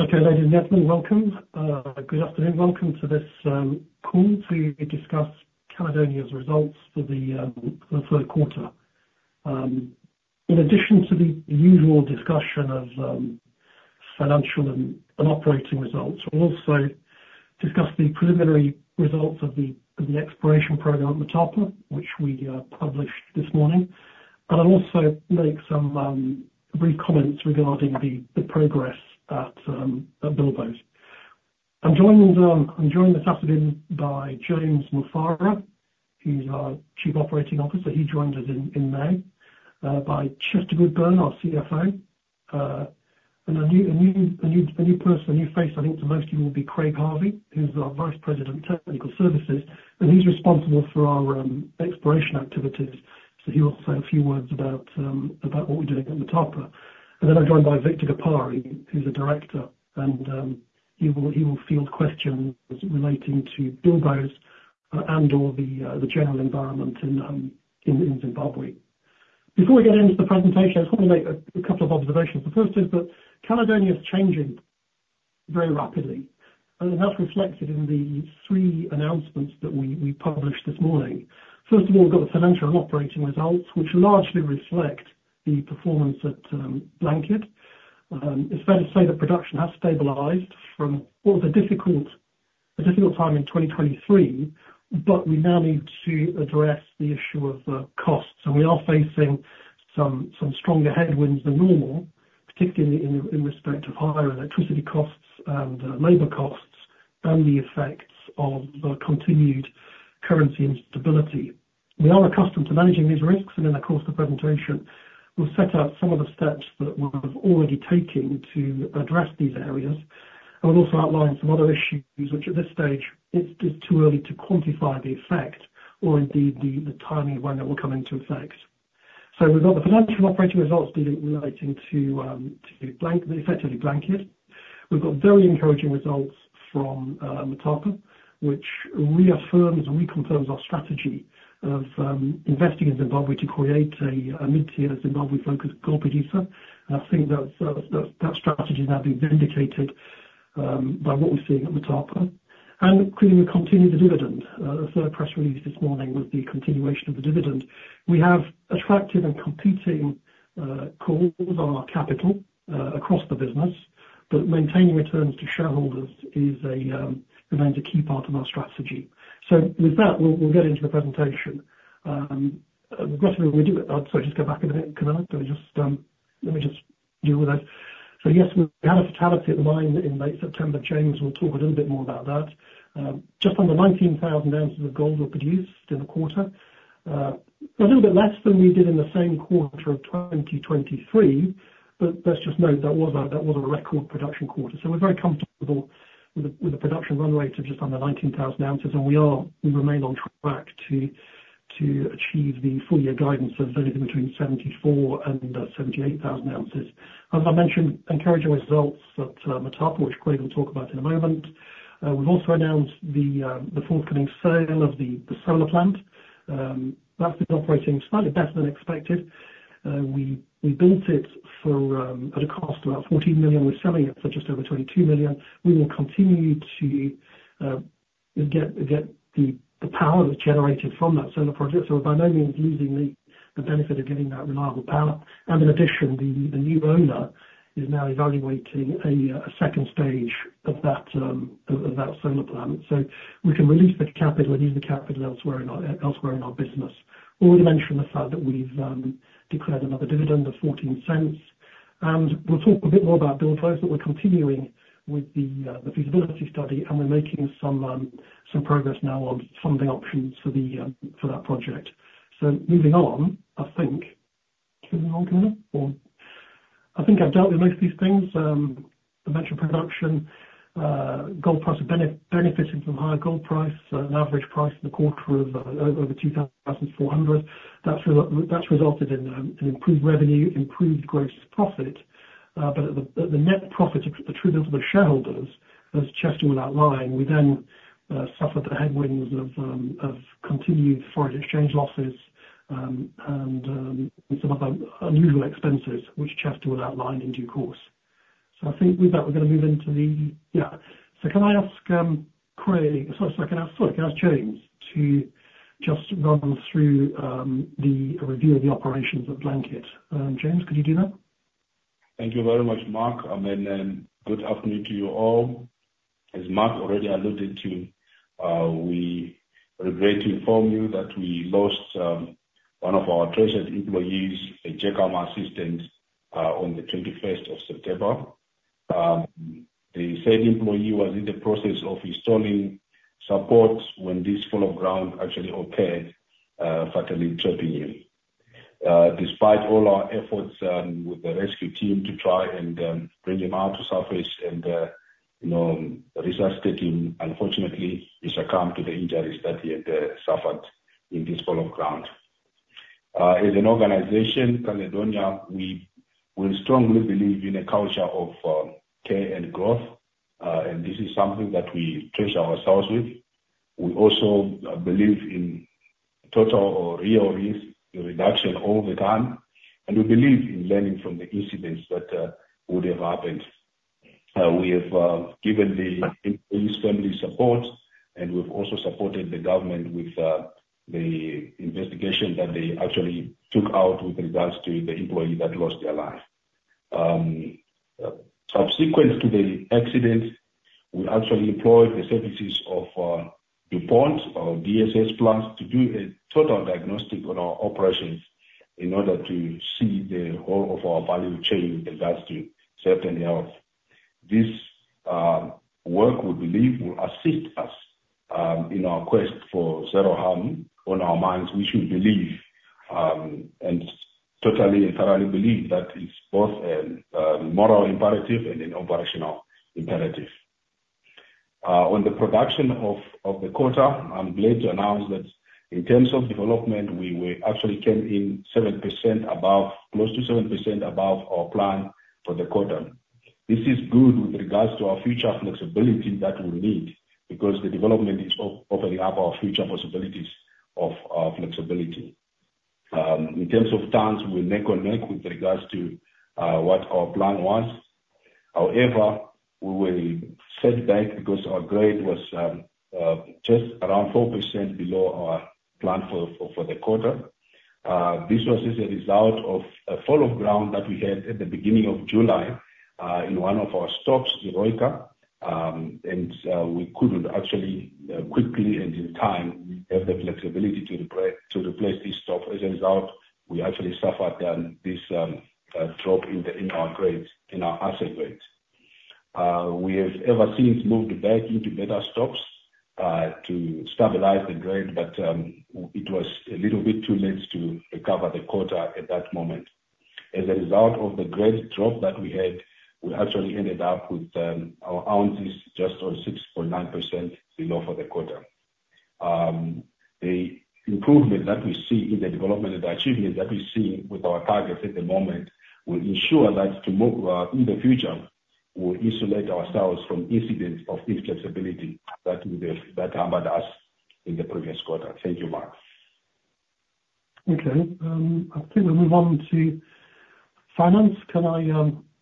Okay, ladies and gentlemen, welcome. Good afternoon. Welcome to this call to discuss Caledonia's results for the Q3. In addition to the usual discussion of financial and operating results, we'll also discuss the preliminary results of the exploration program at Motapa, which we published this morning, and I'll also make some brief comments regarding the progress at Bilboes. I'm joined this afternoon by James Mufara. He's our Chief Operating Officer. He joined us in May. By Chester Goodburn, our CFO, and a new person, a new face, I think to most of you will be Craig Harvey, who's our Vice President of Technical Services. And he's responsible for our exploration activities, so he will say a few words about what we're doing at Motapa, and then I'm joined by Victor Gapare, who's a director, and he will field questions relating to Bilboes and/or the general environment in Zimbabwe. Before we get into the presentation, I just want to make a couple of observations. The first is that Caledonia is changing very rapidly. And that's reflected in the three announcements that we published this morning. First of all, we've got the financial and operating results, which largely reflect the performance at Blanket. It's fair to say that production has stabilized from, well, it was a difficult time in 2023, but we now need to address the issue of costs. And we are facing some stronger headwinds than normal, particularly in respect of higher electricity costs and labor costs and the effects of continued currency instability. We are accustomed to managing these risks. And then, of course, the presentation will set out some of the steps that we're already taking to address these areas. And we'll also outline some other issues, which at this stage, it's too early to quantify the effect or indeed the timing when it will come into effect. So we've got the financial and operating results relating to effectively Blanket. We've got very encouraging results from Motapa, which reaffirms and reconfirms our strategy of investing in Zimbabwe to create a mid-tier Zimbabwe-focused co-producer. And I think that strategy is now being vindicated by what we're seeing at Motapa. And including the continued dividend. The third press release this morning was the continuation of the dividend. We have attractive and competing calls on our capital across the business, but maintaining returns to shareholders remains a key part of our strategy. So with that, we'll get into the presentation. Regrettably, we do. Sorry, just go back a minute, Camilla. Let me just deal with that. Yes, we had a fatality at the mine in late September. James will talk a little bit more about that. Just under 19,000 ounces of gold were produced in the quarter. A little bit less than we did in the same quarter of 2023, but let's just note that was a record production quarter. So we're very comfortable with a production run rate of just under 19,000 ounces. And we remain on track to achieve the full-year guidance of anything between 74,000 and 78,000 ounces. As I mentioned, encouraging results at Motapa, which Craig will talk about in a moment. We've also announced the forthcoming sale of the solar plant. That's been operating slightly better than expected. We built it at a cost of about $14 million. We're selling it for just over $22 million. We will continue to get the power that's generated from that solar project. We're by no means losing the benefit of getting that reliable power. And in addition, the new owner is now evaluating a second stage of that solar plant. So we can release the capital and use the capital elsewhere in our business. Already mentioned the fact that we've declared another dividend of $0.14. And we'll talk a bit more about Bilboes, but we're continuing with the feasibility study. And we're making some progress now on funding options for that project. So moving on, I think. Can we move on, Camilla? I think I've dealt with most of these things. I mentioned production, gold price benefiting from higher gold price, an average price in the quarter of over $2,400. That's resulted in improved revenue, improved gross profit. But the net profit attributed to the shareholders, as Chester was outlining, we then suffered the headwinds of continued foreign exchange losses and some other unusual expenses, which Chester was outlining in due course. So I think with that, we're going to move into the. So can I ask Craig, sorry, can I ask James to just run through the review of the operations at Blanket? James, could you do that? Thank you very much, Mark, and then good afternoon to you all. As Mark already alluded to, we are glad to inform you that we lost one of our treasured employees, a jackhammer assistant, on the 21st of September. The said employee was in the process of installing support when this fall of ground actually occurred, fatality happening. Despite all our efforts with the rescue team to try and bring him out to surface and resuscitate, unfortunately, he succumbed to the injuries that he had suffered in this fall of ground. As an organization, Caledonia, we strongly believe in a culture of care and growth, and this is something that we treasure ourselves with. We also believe in total or real risk reduction all the time, and we believe in learning from the incidents that would have happened. We have given the employee's family support. We've also supported the government with the investigation that they actually took out with regards to the employee that lost their life. Subsequent to the accident, we actually employed the services of DuPont or dss+ to do a total diagnostic on our operations in order to see the whole of our value chain with regards to certain health. This work, we believe, will assist us in our quest for zero harm on our mines. We should believe and totally and thoroughly believe that it's both a moral imperative and an operational imperative. On the production of the quarter, I'm glad to announce that in terms of development, we actually came in close to 7% above our plan for the quarter. This is good with regards to our future flexibility that we need because the development is opening up our future possibilities of flexibility. In terms of tonnage, we're neck and neck with regards to what our plan was. However, we were set back because our grade was just around 4% below our plan for the quarter. This was just a result of a fall of ground that we had at the beginning of July in one of our stopes, Eroica, and we couldn't actually quickly and in time have the flexibility to replace this stope. As a result, we actually suffered this drop in our grade, in our average grade. We have ever since moved back into better stopes to stabilize the grade, but it was a little bit too late to recover the quarter at that moment. As a result of the grade drop that we had, we actually ended up with our ounces just on 6.9% below for the quarter. The improvement that we see in the development and the achievement that we see with our targets at the moment will ensure that in the future, we'll isolate ourselves from incidents of inflexibility that harmed us in the previous quarter. Thank you, Mark. Okay. We'll move on to finance.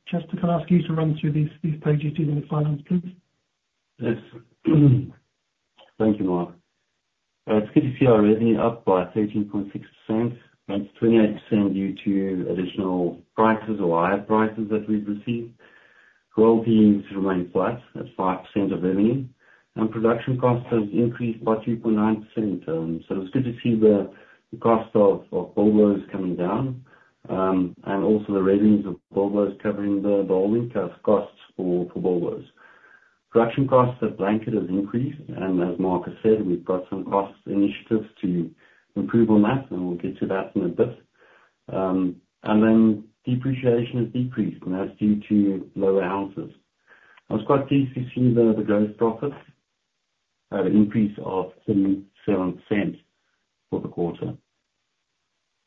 Chester, can I ask you to run through these pages using the finance, please? Yes. Thank you, Mark. It's good to see our revenue up by 13.6%. That's 28% due to additional prices or higher prices that we've received. Royalties remain flat at 5% of revenue. And production costs have increased by 2.9%. So it's good to see the cost of Bilboes coming down and also the revenues of Bilboes covering the holding costs for Bilboes. Production costs at Blanket have increased. And as Mark has said, we've got some cost initiatives to improve on that. And we'll get to that in a bit. And then depreciation has decreased. And that's due to lower ounces. I was quite pleased to see the gross profits, an increase of $0.37 for the quarter.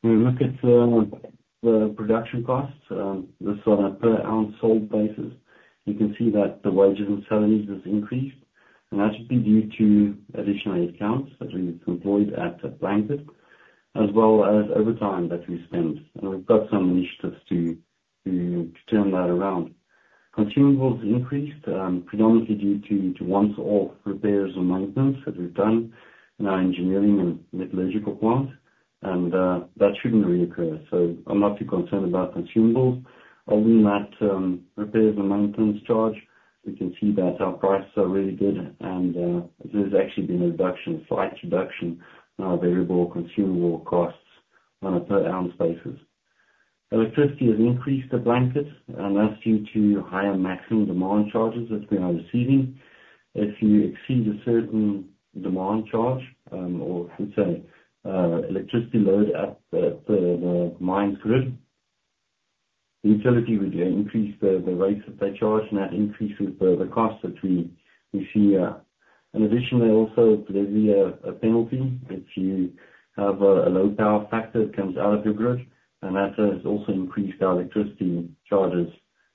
When we look at the production costs, this is on a per-ounce sold basis. You can see that the wages and salaries have increased. And that should be due to additional headcounts that we've employed at Blanket, as well as overtime that we spend. And we've got some initiatives to turn that around. Consumables have increased, predominantly due to once-off repairs and maintenance that we've done in our engineering and metallurgical plant. And that shouldn't reoccur. So I'm not too concerned about consumables. Other than that repairs and maintenance charge, we can see that our prices are really good. And there's actually been a reduction, a slight reduction in our variable consumable costs on a per-ounce basis. Electricity has increased at Blanket. And that's due to higher maximum demand charges that we are receiving. If you exceed a certain demand charge or, I should say, electricity load at the mine's grid, the utility would increase the rates that they charge. And that increases the costs that we see here. In addition, there also could be a penalty if you have a low power factor that comes out of your grid, and that has also increased our electricity charges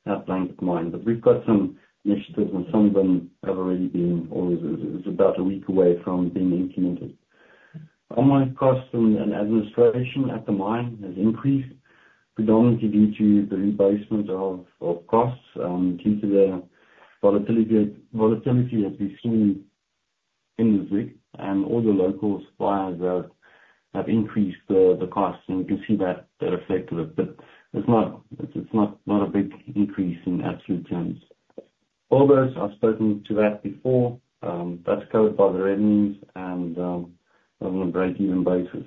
at Blanket Mine, but we've got some initiatives, and some of them have already been—or it's about a week away from being implemented. Online costs and administration at the mine have increased, predominantly due to the rebasement of costs due to the volatility that we've seen in the ZiG, and all the local suppliers have increased the costs, and you can see that effectively, but it's not a big increase in absolute terms. Bilboes, I've spoken to that before. That's covered by the revenues and on a break-even basis.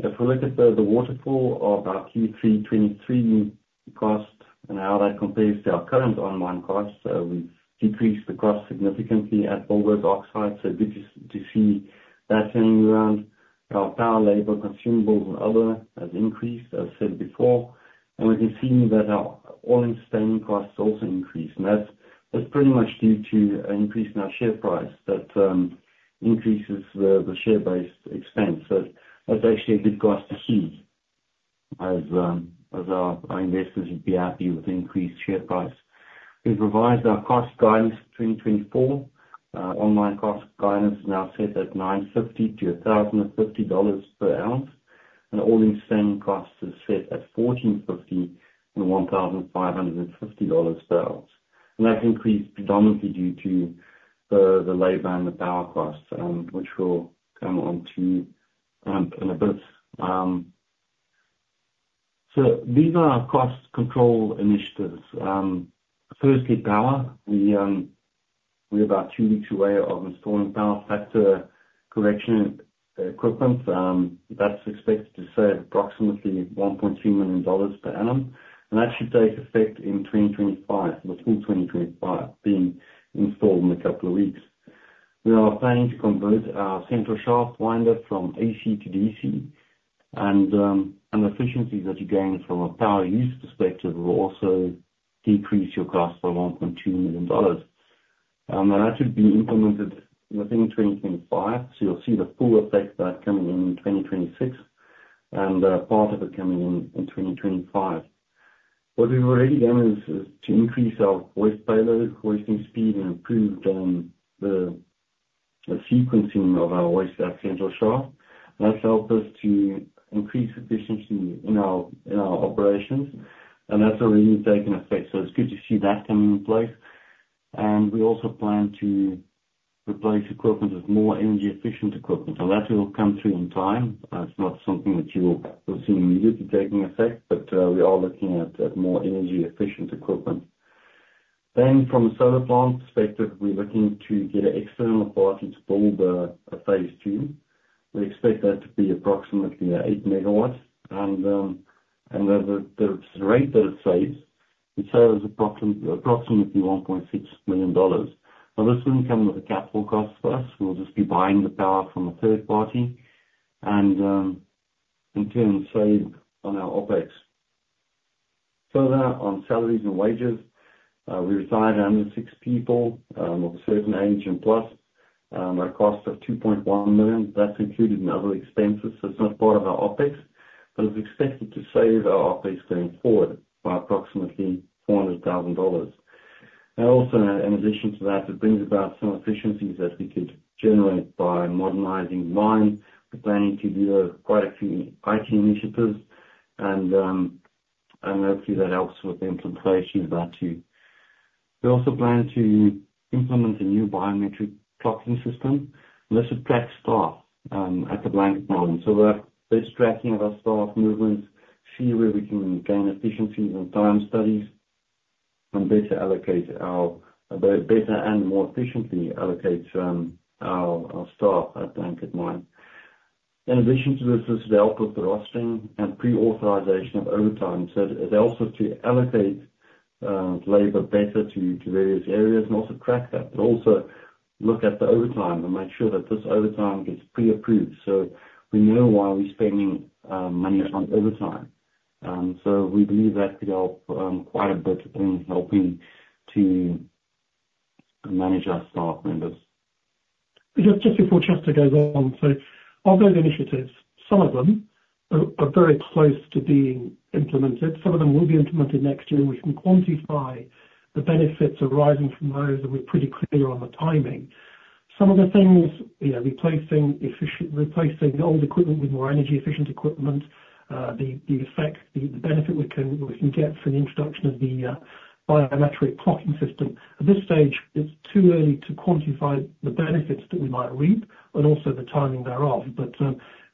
If we look at the waterfall of our Q3 2023 cost and how that compares to our current online costs, we've decreased the cost significantly at Bilboes oxide. Good to see that turning around. Our power, labor, consumables, and other has increased, as I said before. And we can see that our all-in sustaining costs also increased. And that's pretty much due to an increase in our share price that increases the share-based expense. So that's actually a good cost to keep as our investors would be happy with the increased share price. We've revised our cost guidance for 2024. On-mine cost guidance is now set at $950-$1,050 per ounce. And all-in sustaining costs are set at $1,450-$1,550 per ounce. And that's increased predominantly due to the labor and the power costs, which we'll come on to in a bit. So these are our cost control initiatives. Firstly, power. We're about two weeks away from installing power factor correction equipment. That's expected to save approximately $1.2 million per annum. And that should take effect in 2025, the full 2025, being installed in a couple of weeks. We are planning to convert our Central Shaft winder from AC to DC. And the efficiencies that you gain from a power use perspective will also decrease your cost by $1.2 million. And that should be implemented within 2025. So you'll see the full effect of that coming in in 2026 and part of it coming in 2025. What we've already done is to increase our waste payload, wasting speed, and improve the sequencing of our waste at Central Shaft. And that's helped us to increase efficiency in our operations. And that's already taken effect. So it's good to see that coming in place. And we also plan to replace equipment with more energy-efficient equipment. And that will come through in time. It's not something that you will see immediately taking effect, but we are looking at more energy-efficient equipment. Then, from a solar plant perspective, we're looking to get an external party to build a phase two. We expect that to be approximately 8 megawatts, and the rate that it saves, we'd say it's approximately $1.6 million. Now, this wouldn't come with a capital cost for us. We'll just be buying the power from a third party and in turn, save on our OpEx. Further, on salaries and wages, we retired under six people of a certain age and plus. Our cost of $2.1 million, that's included in other expenses, so it's not part of our OpEx, but it's expected to save our OpEx going forward by approximately $400,000. And also, in addition to that, it brings about some efficiencies that we could generate by modernizing the mine. We're planning to do quite a few IT initiatives. And hopefully, that helps with the implementation of that too. We also plan to implement a new biometric clocking system and this would track staff at the Blanket Mine. So we're tracking our staff movements, see where we can gain efficiencies in time studies, and better and more efficiently allocate our staff at Blanket Mine. In addition to this, there's the help of the rostering and pre-authorization of overtime. So it helps us to allocate labor better to various areas and also track that. But also look at the overtime and make sure that this overtime gets pre-approved. So we know why we're spending money on overtime. So we believe that could help quite a bit in helping to manage our staff members. Just before Chester goes on, so of those initiatives, some of them are very close to being implemented. Some of them will be implemented next year, and we can quantify the benefits arising from those, and we're pretty clear on the timing. Some of the things, yeah, replacing old equipment with more energy-efficient equipment, the effect, the benefit we can get from the introduction of the biometric clocking system. At this stage, it's too early to quantify the benefits that we might reap and also the timing thereof, but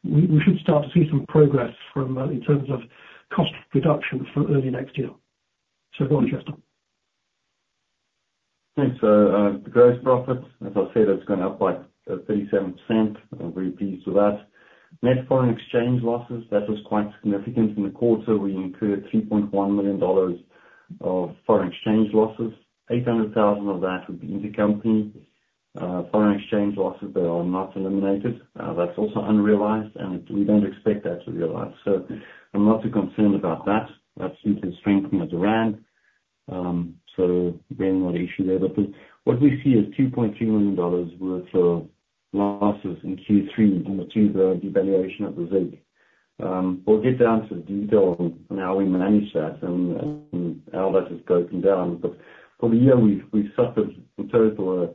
we should start to see some progress in terms of cost reduction for early next year, so go on, Chester. Thanks. So gross profits, as I said, it's gone up by 37%. We're pleased with that. Net foreign exchange losses, that was quite significant. In the quarter, we incurred $3.1 million of foreign exchange losses. $800,000 of that would be intercompany foreign exchange losses that are not eliminated. That's also unrealized. And we don't expect that to realize. So I'm not too concerned about that. That's due to strengthening of the rand. So again, not an issue there. But what we see is $2.3 million worth of losses in Q3 due to the devaluation of the ZiG. We'll get down to the detail on how we manage that and how that has broken down. But for the year, we've suffered a total of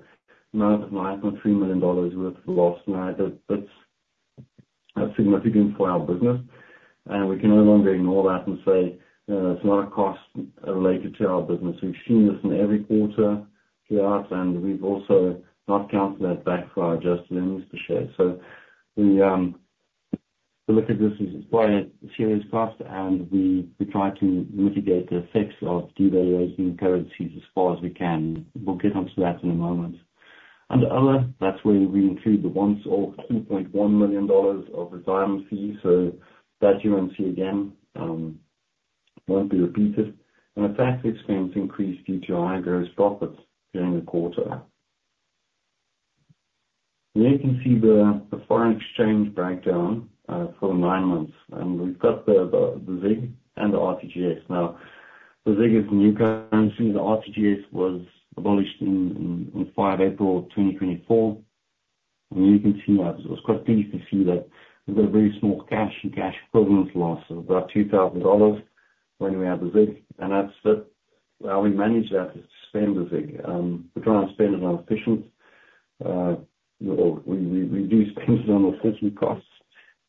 $9.3 million worth of loss. And that's significant for our business. And we can no longer ignore that and say it's not a cost related to our business. We've seen this in every quarter throughout. And we've also not backed that out for our adjusted earnings per share. So we look at this as quite a serious cost. And we try to mitigate the effects of devaluing currencies as far as we can. We'll get onto that in a moment. Under other, that's where we include the once-off $2.1 million of retirement fees. So that you won't see again. It won't be repeated. And the tax expense increased due to higher gross profits during the quarter. And here you can see the foreign exchange breakdown for the nine months. And we've got the ZiG and the RTGS. Now, the ZiG is a new currency. The RTGS was abolished in April 2024. You can see that it was quite pleased to see that we've got very small cash and cash equivalent loss of about $2,000 when we had the ZiG. That's how we manage that is to spend the ZiG. We're trying to spend it on efficient—we do spend it on efficient costs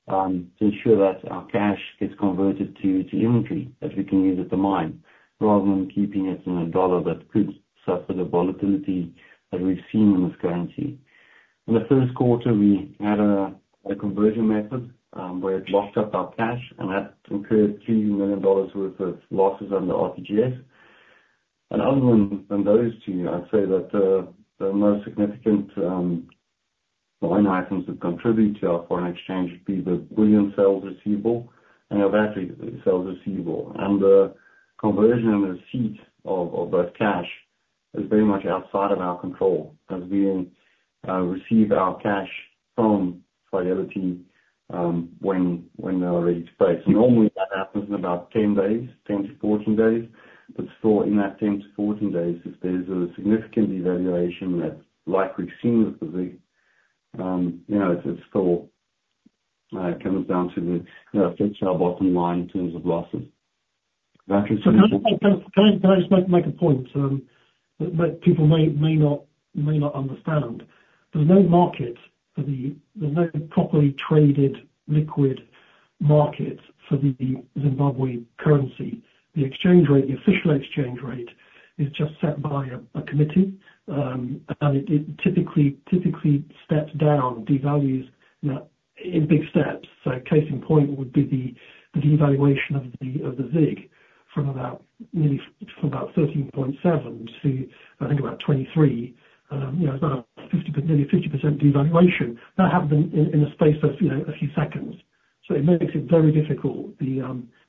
to ensure that our cash gets converted to inventory that we can use at the mine rather than keeping it in a dollar that could suffer the volatility that we've seen in this currency. In the first quarter, we had a conversion method where it locked up our cash. That incurred $2 million worth of losses under RTGS. Other than those two, I'd say that the most significant line items that contribute to our foreign exchange would be the bullion sales receivable and our bullion sales receivable. And the conversion and receipt of that cash is very much outside of our control as we receive our cash from Fidelity when they're ready to pay. So normally, that happens in about 10 days, 10 to 14 days. But still, in that 10-14 days, if there's a significant devaluation like we've seen with the ZiG, it still comes down to the fixed bottom line in terms of losses. That is pretty important. Can I just make a point that people may not understand? There's no properly traded liquid market for the Zimbabwe currency. The exchange rate, the official exchange rate, is just set by a committee. And it typically steps down, devalues in big steps. So case in point would be the devaluation of the ZiG from about 13.7 to, I think, about 23. It's about a nearly 50% devaluation. That happened in the space of a few seconds. So it makes it very difficult. The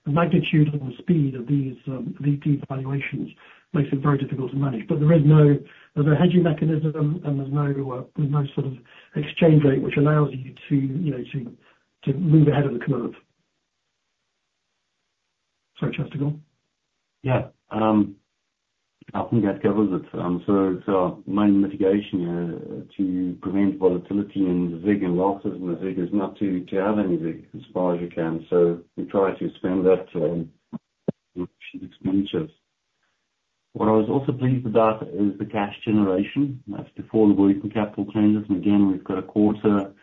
magnitude and the speed of these devaluations makes it very difficult to manage. But there is no hedging mechanism. And there's no sort of exchange rate which allows you to move ahead of the curve. Sorry, Chester, go on. That covers it. So it's our main mitigation to prevent volatility in the ZiG and losses in the ZiG is not to have any ZiG as far as you can. So we try to spend that on efficient expenditures. What I was also pleased about is the cash generation. That's before the working capital changes. And again, we've got a quarter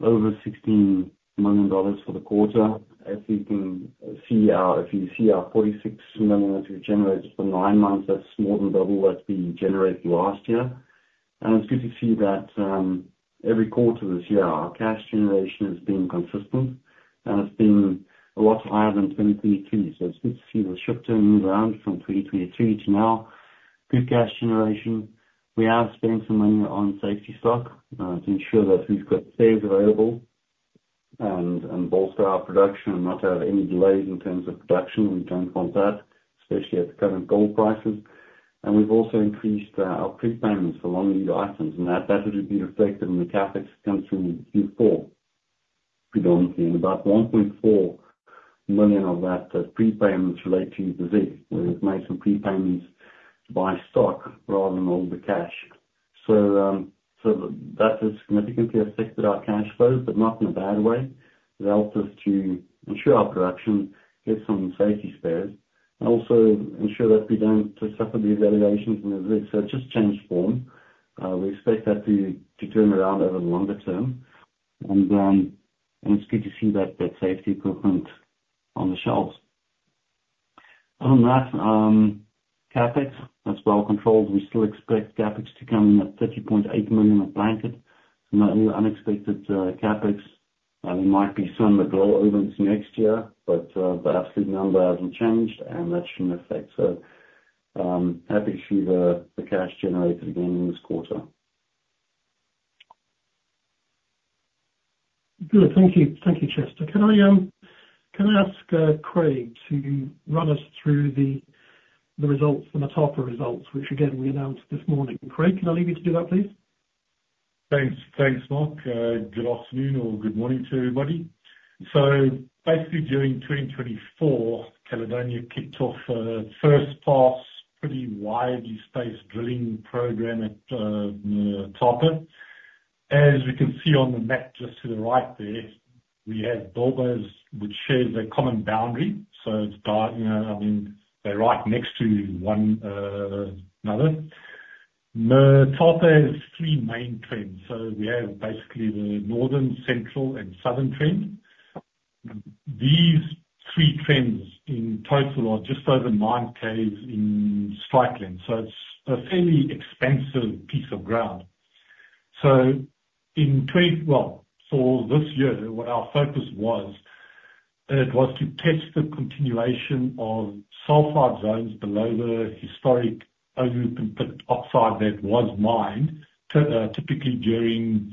over $16 million for the quarter. If you can see our $46 million that we've generated for nine months, that's more than double what we generated last year. And it's good to see that every quarter this year, our cash generation has been consistent. And it's been a lot higher than 2023. So it's good to see the shifting around from 2023 to now. Good cash generation. We are spending some money on safety stock to ensure that we've got spares available and bolster our production and not have any delays in terms of production. We don't want that, especially at the current gold prices, and we've also increased our prepayments for long lead items, and that would have been reflected in the CapEx that comes through Q4 predominantly, and about $1.4 million of that prepayments relate to the ZiG, where we've made some prepayments to buy stock rather than all the cash, so that has significantly affected our cash flow, but not in a bad way. It helped us to ensure our production, get some safety spares, and also ensure that we don't suffer devaluations in the ZiG, so it just changed form. We expect that to turn around over the longer term, and it's good to see that safety equipment on the shelves. Other than that, CapEx, that's well controlled. We still expect CapEx to come in at $30.8 million at Blanket. So no unexpected CapEx. There might be some withdrawal over into next year. But the absolute number hasn't changed. And that shouldn't affect. So happy to see the cash generated again in this quarter. Good. Thank you. Thank you, Chester. Can I ask Craig to run us through the results, the Motapa results, which, again, we announced this morning? Craig, can I leave you to do that, please? Thanks, Mark. Good afternoon or good morning to everybody. So basically, during 2024, Caledonia kicked off a first-pass, pretty widely spaced drilling program at Motapa. As we can see on the map just to the right there, we have Bilboes which share the common boundary. So it's adjacent. I mean, they're right next to one another. Motapa has three main trends. So we have basically the northern, central, and southern trend. These three trends in total are just over 9 Ks in strike length. So it's a fairly expansive piece of ground. So in 20—well, for this year, what our focus was, it was to test the continuation of sulfide zones below the historic open pit oxide that was mined, typically during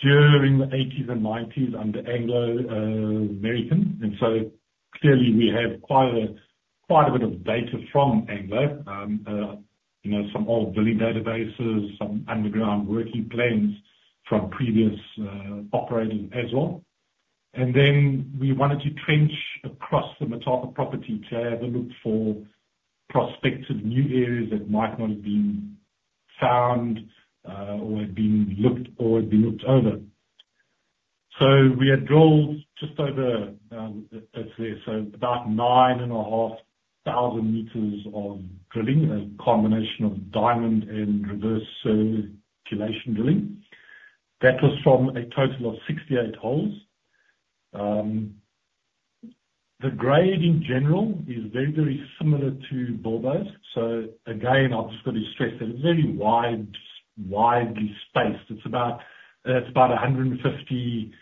the '80s and '90s under Anglo American. And so clearly, we have quite a bit of data from Anglo, some old drilling databases, some underground working plans from previous operators as well. And then we wanted to trench across the Motapa property to have a look for prospective new areas that might not have been found or had been looked or had been looked over. So we had drilled just over, it's about nine and a half thousand meters of drilling, a combination of diamond and reverse circulation drilling. That was from a total of 68 holes. The grade, in general, is very, very similar to Bilboes. So again, I've just got to stress that it's very widely spaced. It's about 150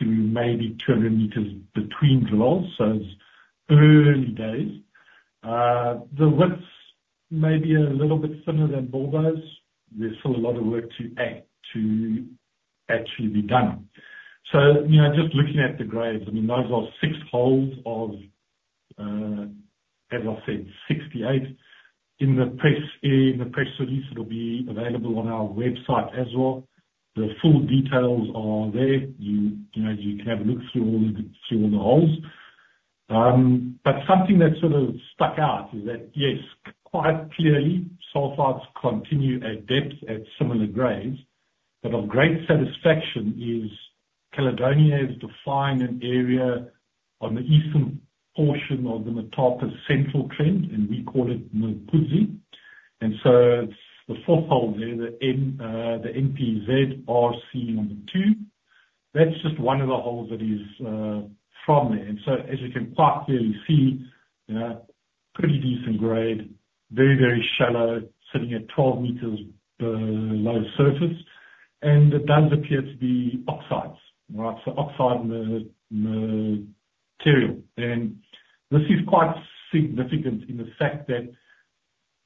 to maybe 200 meters between drill holes. So it's early days. The widths may be a little bit thinner than Bilboes. There's still a lot of work to actually be done. Just looking at the grades, I mean, those are six holes of, as I said, 68. In the press release, it'll be available on our website as well. The full details are there. You can have a look through all the holes. Something that sort of stuck out is that, yes, quite clearly, sulfides continue at depth at similar grades. Of great satisfaction is Caledonia has defined an area on the eastern portion of the Motapa central trend. We call it Mpama. It's the fourth hole there, the MPZRC number two. That's just one of the holes that is from there. As you can quite clearly see, pretty decent grade, very, very shallow, sitting at 12 meters below surface. It does appear to be oxides, right? Oxide material. This is quite significant in the fact that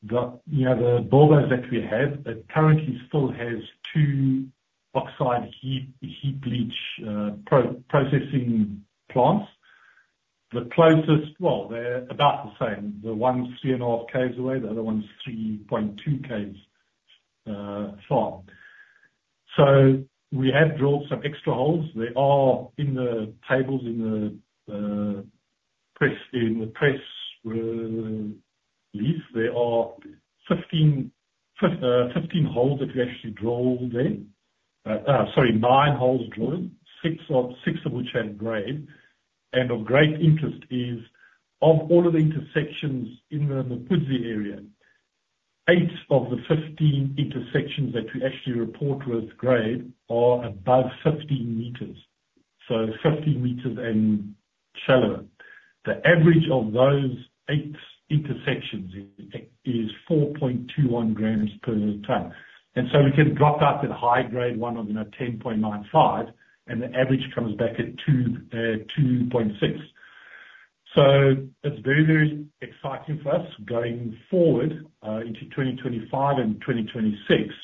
the Bilboes that we have, it currently still has two oxide heap leach processing plants. The closest, well, they're about the same. The one's 3.5 km away. The other one's 3.2 km far. So we have drilled some extra holes. They are in the tables in the press release. There are 15 holes that we actually drilled there. Sorry, nine holes drilled, six of which have grade. And of great interest is, of all of the intersections in the Mukuzi area, eight of the 15 intersections that we actually report with grade are above 15 m. So 15 m and shallower. The average of those eight intersections is 4.21 grams per ton. And so we can drop out the high grade one of 10.95. And the average comes back at 2.6. It's very, very exciting for us going forward into 2025 and 2026.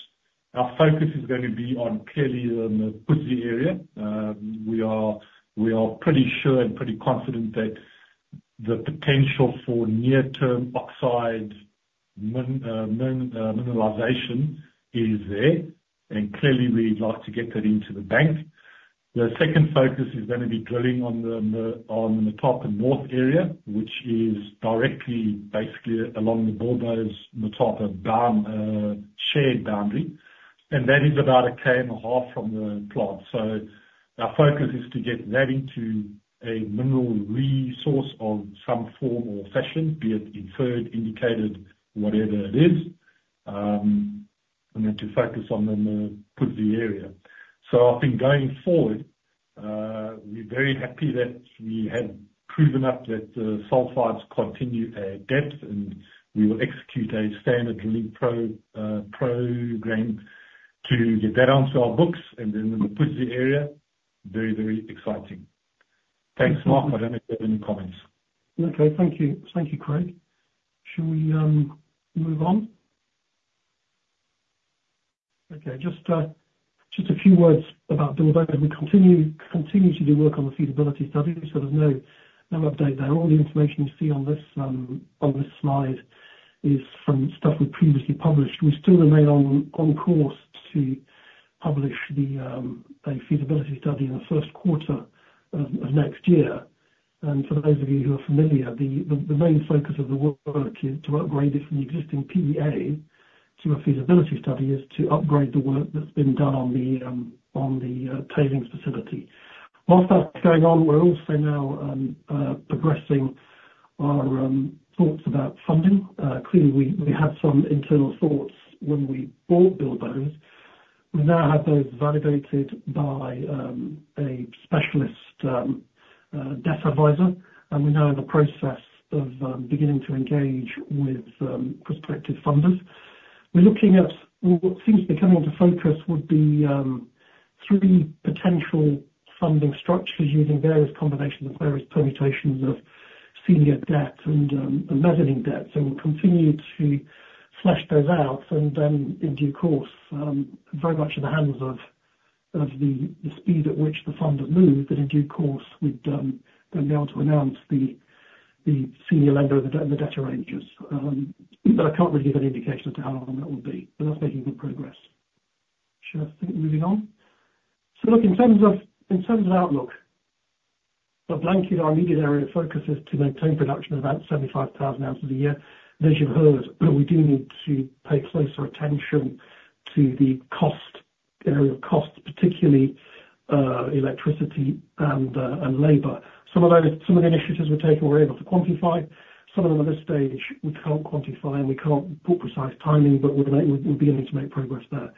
Our focus is going to be on clearly the Mukuzi area. We are pretty sure and pretty confident that the potential for near-term oxide mineralization is there. Clearly, we'd like to get that into the bank. The second focus is going to be drilling on the Motapa north area, which is directly basically along the Bilboes Motapa shared boundary. That is about a km and a half from the plant. Our focus is to get that into a mineral resource of some form or fashion, be it inferred, indicated, whatever it is, and then to focus on the Mukuzi area. Going forward, we're very happy that we have proven up that the sulfides continue at depth. We will execute a standard drilling program to get that onto our books and then the Mukuzi area. Very, very exciting. Thanks, Mark. I don't know if you have any comments. Thank you, Craig. Shall we move on? Okay. Just a few words about Bilboes. We continue to do work on the feasibility study. So there's no update there. All the information you see on this slide is from stuff we previously published. We still remain on course to publish a feasibility study in the first quarter of next year. And for those of you who are familiar, the main focus of the work is to upgrade it from the existing PEA to a feasibility study is to upgrade the work that's been done on the tailings facility. While that's going on, we're also now progressing our thoughts about funding. Clearly, we had some internal thoughts when we bought Bilboes. We now have those validated by a specialist debt advisor. And we're now in the process of beginning to engage with prospective funders. We're looking at what seems to be coming into focus would be three potential funding structures using various combinations of various permutations of senior debt and mezzanine debt. So we'll continue to flesh those out. And then, in due course, very much in the hands of the speed at which the funders move. But in due course, we'd then be able to announce the senior lender and the debtor ranges. But I can't really give any indication as to how long that will be. But that's making good progress. Sure. Moving on. So look, in terms of outlook, for Blanket, our immediate area of focus is to maintain production of about 75,000 ounces a year. And as you've heard, we do need to pay closer attention to the cost, area of cost, particularly electricity and labor. Some of the initiatives we're taking, we're able to quantify. Some of them at this stage, we can't quantify. And we can't pull precise timing. But we'll be able to make progress there.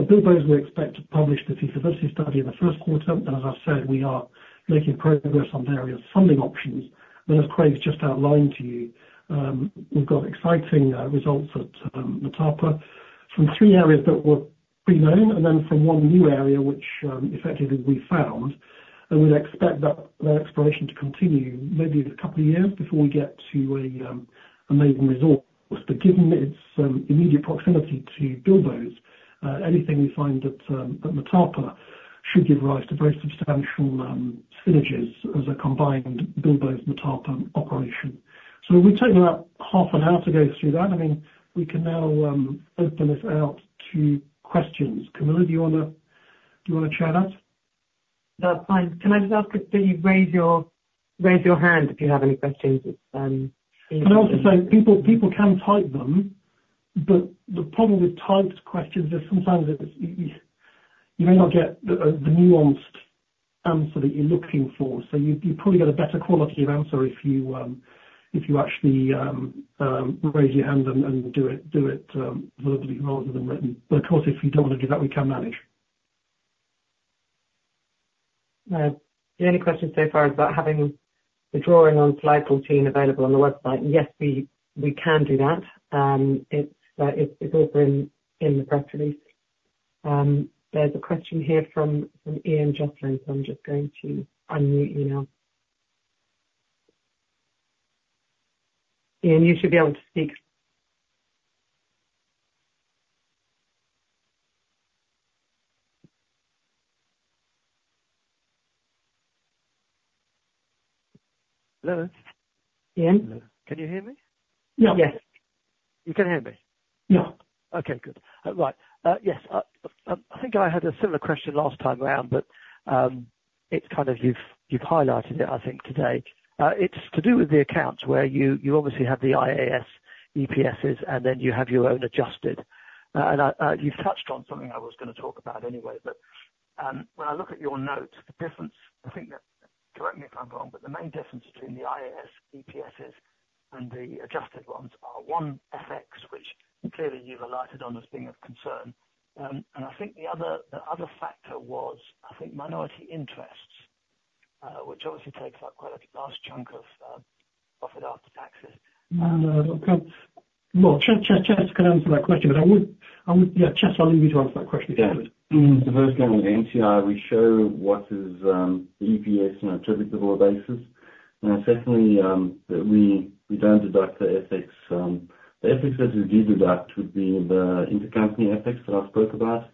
Bilboes, we expect to publish the feasibility study in the first quarter. And as I've said, we are making progress on various funding options. And as Craig's just outlined to you, we've got exciting results at Motapa from three areas that were pre-known and then from one new area which effectively we found. And we'd expect that exploration to continue maybe a couple of years before we get to a major resource. But given its immediate proximity to Bilboes, anything we find at Motapa should give rise to very substantial synergies as a combined Bilboes-Motapa operation. So we've taken about half an hour to go through that. I mean, we can now open this out to questions. Camilla, do you want to chat at? That's fine. Can I just ask if you raise your hand if you have any questions? Can I also say, people can type them? But the problem with typed questions is sometimes you may not get the nuanced answer that you're looking for. So you probably get a better quality of answer if you actually raise your hand and do it verbally rather than written. But of course, if you don't want to do that, we can manage. Any questions so far about having the drawing on slide 14 available on the website? Yes, we can do that. It's also in the press release. There's a question here from Ian Joslin. I'm just going to unmute you now. Ian, you should be able to speak. Okay. Good. Right. Yes. I think I had a similar question last time around. But it's kind of you've highlighted it, I think, today. It's to do with the accounts where you obviously have the IAS EPSs, and then you have your own adjusted. And you've touched on something I was going to talk about anyway. But when I look at your notes, the difference, I think, correct me if I'm wrong, but the main difference between the IAS EPSs and the adjusted ones are one FX, which clearly you've alerted on as being of concern. And I think the other factor was, I think, minority interests, which obviously takes up quite a large chunk of after-taxes. Chester can answer that question, but I would, yeah, Chester, I'll leave you to answer that question if you could. Yeah. The first thing on the NTI, we show what is the EPS on a trailing basis. And secondly, we don't deduct the FX. The FX that is deducted would be the intercompany FX that I spoke about.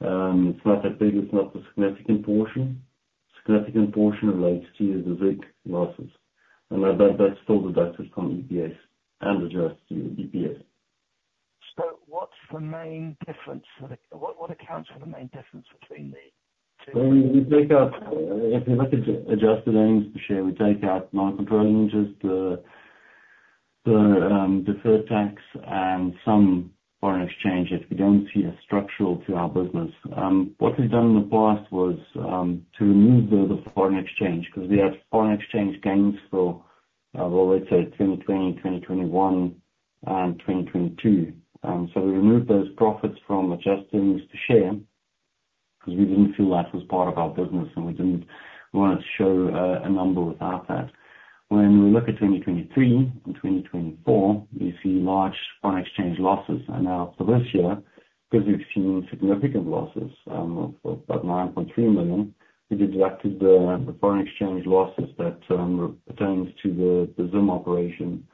It's not that big. It's not the significant portion. The significant portion relates to the ZiG losses. And that's still deducted from EPS and adjusted EPS. So what's the main difference? What accounts for the main difference between the two? If we look at adjusted earnings per share, we take out non-controlling interest, the deferred tax, and some foreign exchange if we don't see a structural to our business. What we've done in the past was to remove the foreign exchange because we had foreign exchange gains for, well, let's say 2020, 2021, and 2022. So we removed those profits from adjusted earnings per share because we didn't feel that was part of our business. And we didn't want to show a number without that. When we look at 2023 and 2024, we see large foreign exchange losses. And now for this year, because we've seen significant losses of about $9.3 million, we deducted the foreign exchange losses that pertain to the ZIM operation.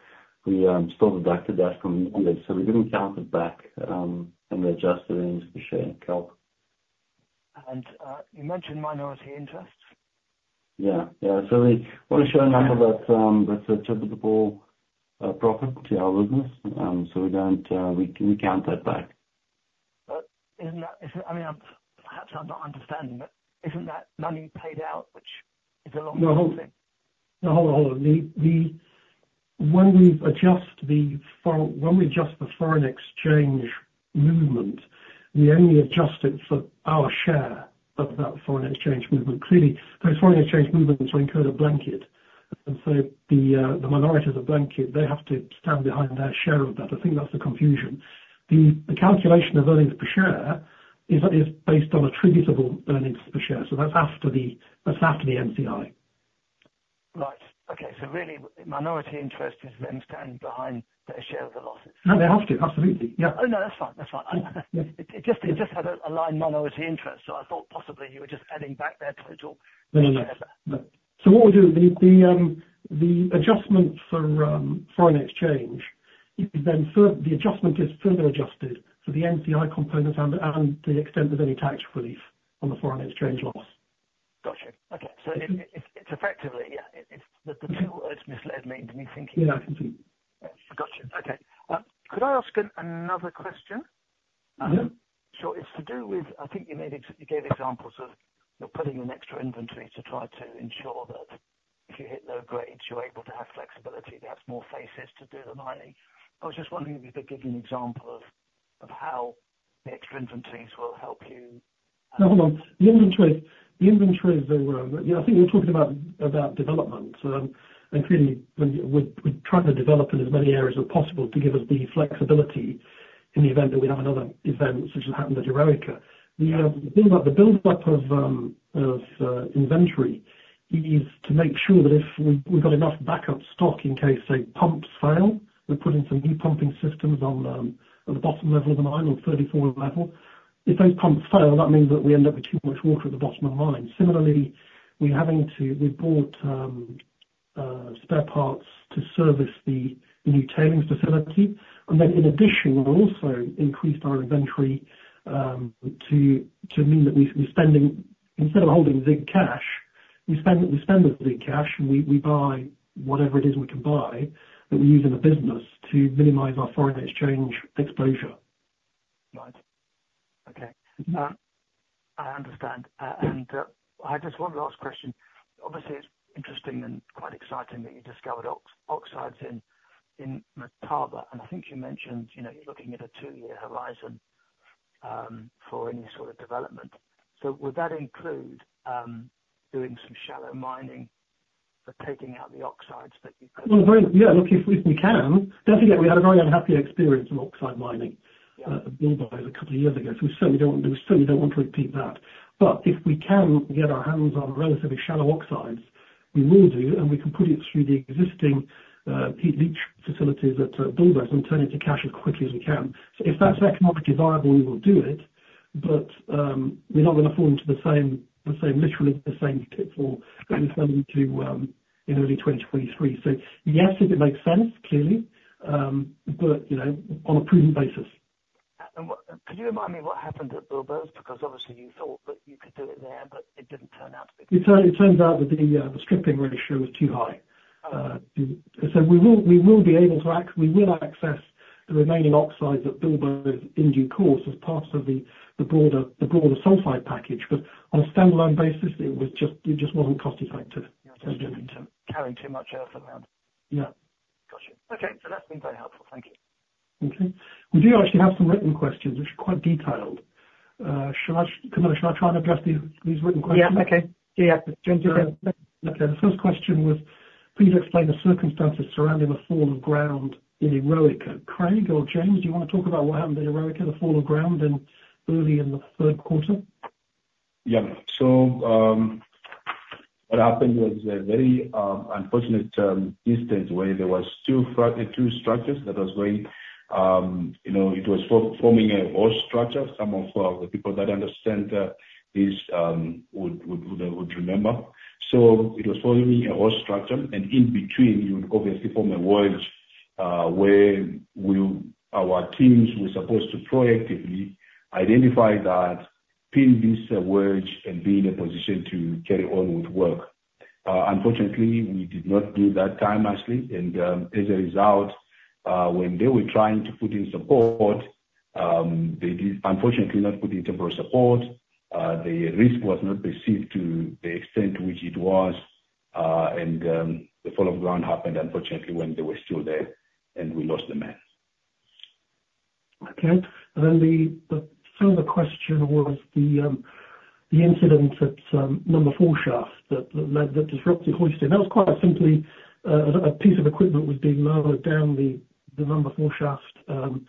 We still deducted that from EPS. So we didn't count it back in the adjusted earnings per share calc. You mentioned minority interests. We want to show a number that's a trivial profit to our business. We count that back. I'm not understanding. But isn't that money paid out, which is a long-term thing? No, when we adjust the foreign exchange movement, we only adjust it for our share of that foreign exchange movement. Clearly, those foreign exchange movements will include a Blanket. And so the minority of the Blanket, they have to stand behind their share of that. I think that's the confusion. The calculation of earnings per share is based on an attributable earnings per share. So that's after the NCI. Right. Minority interest is them standing behind their share of the losses. No, they have to. Absolutely. Yeah. That's fine. That's fine. It just had a line minority interest. So I thought possibly you were just adding back their total share of that. What we do, the adjustment for foreign exchange, then the adjustment is further adjusted for the NTI component and the extent of any tax relief on the foreign exchange loss. Gotcha. It's effectively the two words mislead me into thinking. Yeah. I can see. Gotcha. Okay. Could I ask another question? Yeah. It's to do with I think you gave examples of putting in extra inventory to try to ensure that if you hit low grades, you're able to have flexibility. That's more faces to do the mining. I was just wondering if you could give an example of how the extra inventories will help you. No, hold on. The inventories are, yeah, I think we're talking about development. And clearly, we're trying to develop in as many areas as possible to give us the flexibility in the event that we have another event, such as that happened at Eroica. The build-up of inventory is to make sure that if we've got enough backup stock in case pumps fail, we're putting some de-pumping systems on the bottom level of the mine, on 34 level. If those pumps fail, that means that we end up with too much water at the bottom of the mine. Similarly, we're having to. We bought spare parts to service the new tailings facility.In addition, we also increased our inventory to mean that instead of holding ZiG cash, we spend the ZiG cash. We buy whatever it is we can buy that we use in the business to minimize our foreign exchange exposure. I understand. One last question. Obviously, it's interesting and quite exciting that you discovered oxides in Motapa. And I think you mentioned you're looking at a two-year horizon for any sort of development. So would that include doing some shallow mining for taking out the oxides that you could? If we can, don't forget, we had a very unhappy experience with oxide mining at Bilboes a couple of years ago. So we certainly don't want to repeat that. But if we can get our hands on relatively shallow oxides, we will do. And we can put it through the existing leach facilities at Bilboes and turn it to cash as quickly as we can. So if that's economically viable, we will do it. But we're not going to fall into the same, literally the same pitfall that we fell into in early 2023. So yes, if it makes sense, clearly. But on a prudent basis. Could you remind me what happened at Bilboes? Because obviously, you thought that you could do it there, but it didn't turn out to be possible. It turns out that the stripping ratio was too high. So we will access the remaining oxides at Bilboes in due course as part of the broader sulfide package. But on a standalone basis, it just wasn't cost-effective. Carrying too much earth around. Yeah. Gotcha. Okay. So that's been very helpful. Thank you. Okay. We do actually have some written questions, which are quite detailed. Camilla, should I try and address these written questions? Okay. The first question was, please explain the circumstances surrounding the fall of ground in Eroica. Craig or James, do you want to talk about what happened at Eroica, the fall of ground early in the Q3? What happened was a very unfortunate instance where there were two structures that were going. It was forming a host structure. Some of the people that understand this would remember, so it was forming a host structure, and in between, you would obviously form a wedge where our teams were supposed to proactively identify that, pin this wedge, and be in a position to carry on with work. Unfortunately, we did not do that time, actually, and as a result, when they were trying to put in support, they did, unfortunately, not put in temporary support. The risk was not perceived to the extent to which it was, and the fall of ground happened, unfortunately, when they were still there, and we lost the man. Okay. The further question was the incident at Number 4 Shaft that disrupted hoisting. That was quite simply a piece of equipment was being lowered down the Number 4 Shaft.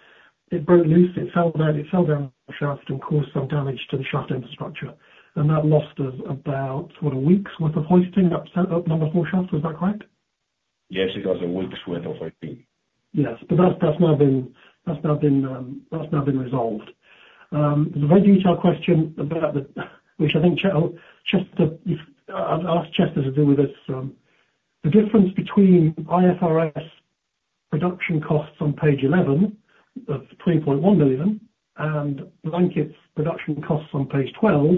It broke loose. It fell down the shaft and caused some damage to the shaft infrastructure. And that lost about, what, a week's worth of hoisting up Number 4 Shaft? Was that correct? Yes. It was a week's worth of hoisting. Yes. But that's now been resolved. There's a very detailed question about the—which I think Chester—I'll ask Chester to do with this. The difference between IFRS production costs on page 11 of $3.1 million and Blanket's production costs on page 12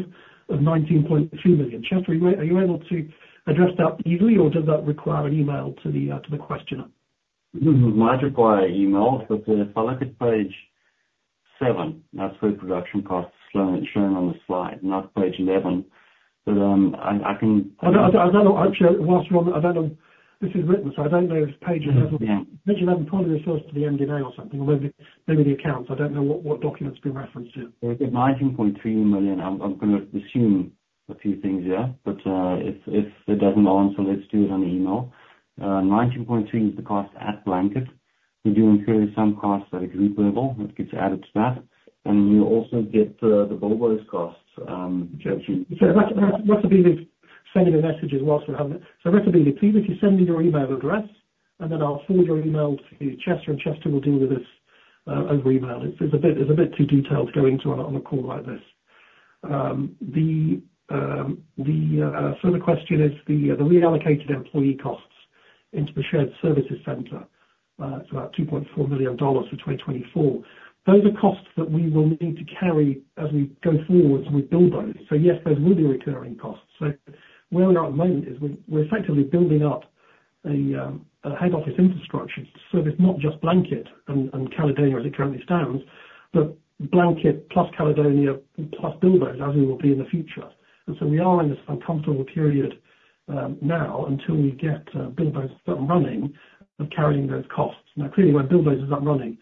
of $19.2 million. Chester, are you able to address that easily? Or does that require an email to the questioner? It was marked by email. But if I look at page 7, that's where production costs are shown on the slide, not page 11. But I can- Actually, I'll ask you one. This is written, so I don't know if page 11 probably refers to the MD&A or something, or maybe the accounts. I don't know what document's been referenced here. $119.3 million. I'm going to assume a few things, yeah. But if it doesn't answer, let's do it on email. $19.3 is the cost at Blanket. We do incur some costs at a group level that gets added to that. And we also get the Bilboes costs. I'd like to be able to send you the message as well as we're having it. So I'd like to be able to please if you send me your email address. And then I'll forward your email to Chester. And Chester will deal with this over email. It's a bit too detailed going into it on a call like this. The further question is the reallocated employee costs into the shared services center. It's about $2.4 million for 2024. Those are costs that we will need to carry as we go forward with Bilboes. So yes, those will be recurring costs. So where we are at the moment is we're effectively building up a head office infrastructure to service not just Blanket and Caledonia as it currently stands, but Blanket plus Caledonia plus Bilboes, as we will be in the future. And so we are in this uncomfortable period now until we get Bilboes up and running of carrying those costs. Now, clearly, when Bilboes is up and running,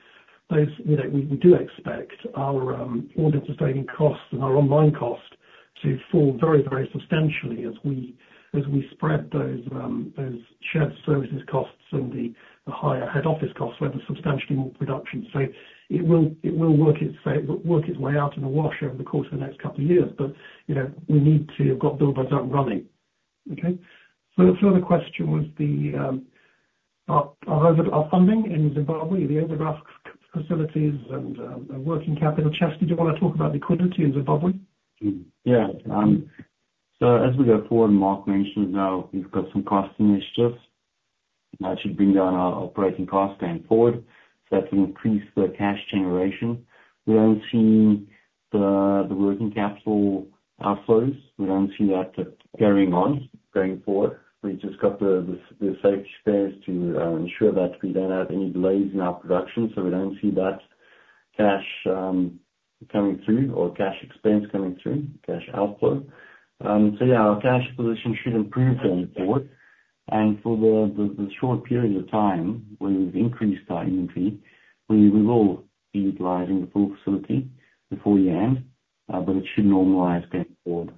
we do expect our all-in sustaining costs and our on-mine costs to fall very, very substantially as we spread those shared services costs and the higher head office costs across substantially more production. So it will work its way out in a wash over the course of the next couple of years. But we need to have got Bilboes up and running. Okay? So the further question was the funding in Zimbabwe, the overdraft facilities and working capital. Chester, did you want to talk about liquidity in Zimbabwe? Yeah. As we go forward, Mark mentioned now, we've got some cost initiatives. That should bring down our operating costs going forward. So that's going to increase the cash generation. We don't see the working capital outflows. We don't see that carrying on going forward. We just got the safe space to ensure that we don't have any delays in our production. So we don't see that cash coming through or cash expense coming through, cash outflow. So yeah, our cash position should improve going forward, and for the short period of time when we've increased our inventory, we will be utilizing the full facility before year-end. But it should normalize going forward.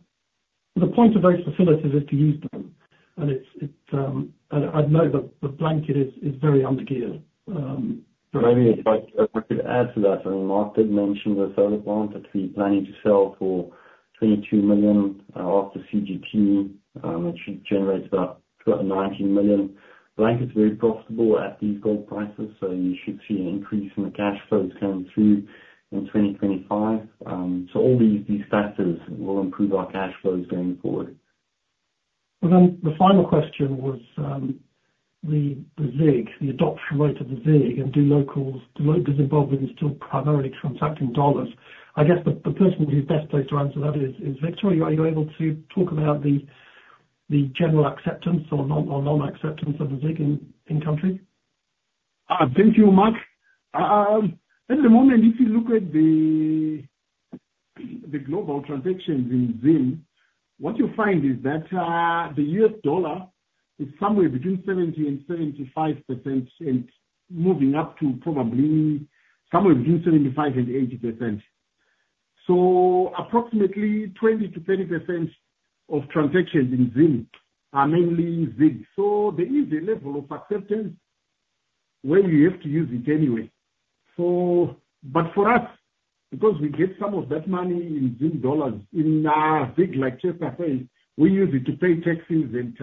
The point of those facilities is to use them, and I'd note that the Blanket is very undergeared. If I could add to that, I mean, Mark did mention the solar plant that we're planning to sell for $22 million after CGT. It should generate about $19 million. Blanket's very profitable at these gold prices. So you should see an increase in the cash flows coming through in 2025. So all these factors will improve our cash flows going forward. Then the final question was the ZiG, the adoption rate of the ZiG. Do Zimbabweans still primarily transact in dollars? I guess the person who's best placed to answer that is Victor. Are you able to talk about the general acceptance or non-acceptance of the ZiG in country? Thank you, Mark. At the moment, if you look at the global transactions in ZIM, what you find is that the US dollar is somewhere between 70% to 75%, moving up to probably somewhere between 75% to 80%. So approximately 20% to 30% of transactions in ZIM are mainly ZIG. So there is a level of acceptance where you have to use it anyway. But for us, because we get some of that money in ZIM dollars, in ZIG like Chester says, we use it to pay taxes and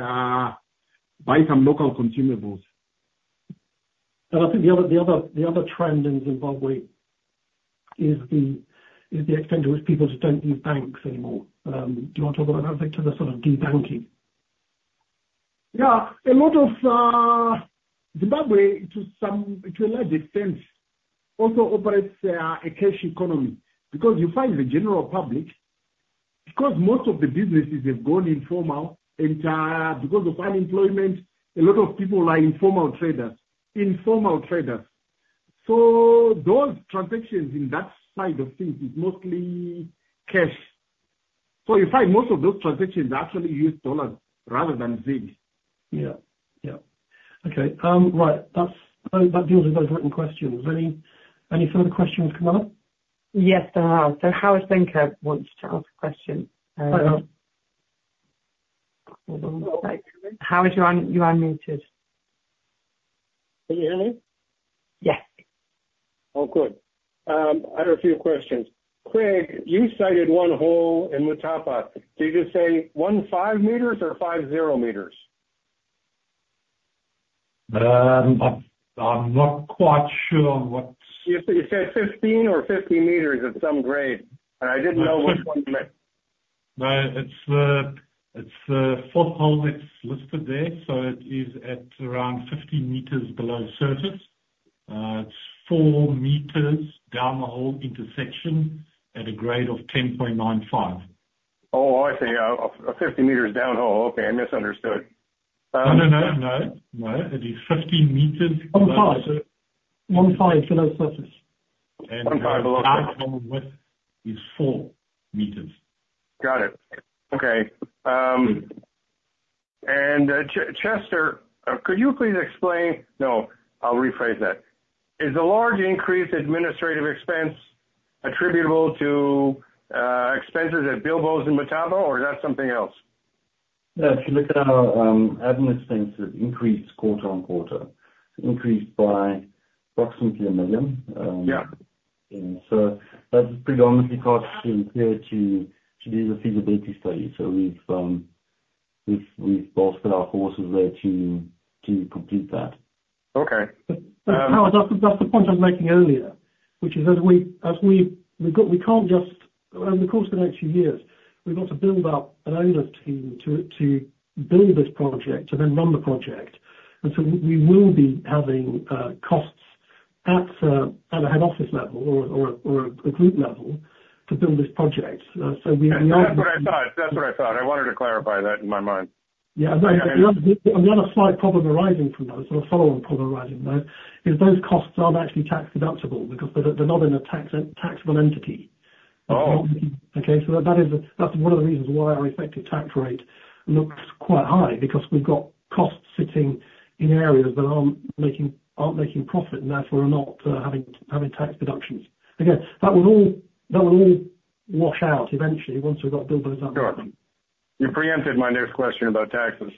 buy some local consumables. The other trend in Zimbabwe is the extent to which people just don't use banks anymore. Do you want to talk about that? I think to the sort of de-banking. Yeah. A lot of Zimbabwe, to a large extent, also operates a cash economy. Because you find the general public, because most of the businesses have gone informal, and because of unemployment, a lot of people are informal traders, informal traders. So those transactions in that side of things is mostly cash. So you find most of those transactions are actually U.S. dollars rather than ZiG. That deals with those written questions. Any further questions, Camilla? Yes, there are. So Howard Penney wants to ask a question. Hold on one second. Howard, you are muted. Oh, good. I have a few questions. Craig, you cited one hole in Motapa. Did you say 15 meters or 50 meters? I'm not quite sure what. You said 15 or 50 meters at some grade, and I didn't know which one you meant. It's the fourth hole that's listed there. It is at around 50 meters below surface. It's 4 meters downhole intersection at a grade of 10.95. Oh, I see. 50 meters downhole. Okay. I misunderstood. No. It is 15 meters. One 5 below surface. The maximum width is four meters. Got it. Okay. And Chester, could you please explain? No, I'll rephrase that. Is the large increase in administrative expense attributable to expenses at Bilboes in Motapa? Or is that something else? Yeah. If you look at our admin expenses, it increased quarter on quarter. It increased by approximately $1 million. And so that's predominantly caused by the imperative to do the Feasibility Study. So we've bolstered our resources there to complete that. Howard, that's the point I was making earlier, which is as we can't just over the course of the next few years, we've got to build up an ownership team to build this project and then run the project. And so we will be having costs at a head office level or a group level to build this project. So we are -- That's what I thought. That's what I thought. I wanted to clarify that in my mind. Yeah. The other slight problem arising from those, or the following problem arising from those, is those costs aren't actually tax deductible because they're not in a taxable entity. Okay? So that's one of the reasons why our effective tax rate looks quite high because we've got costs sitting in areas that aren't making profit and therefore are not having tax deductions. Again, that will all wash out eventually once we've got Bilboes up and running. You preempted my next question about taxes.